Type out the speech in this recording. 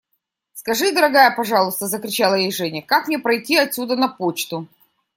Скажи, дорогая, пожалуйста, – закричала ей Женя, – как мне пройти отсюда на почту?